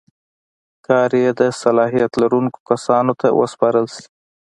کار یې د صلاحیت لرونکو کسانو ته وسپارل شي.